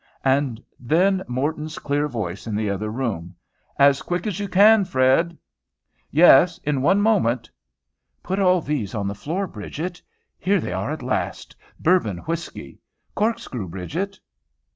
And then Morton's clear voice in the other room, "As quick as you can, Fred." "Yes! in one moment. Put all these on the floor, Bridget." Here they are at last. "Bourbon whiskey." "Corkscrew, Bridget."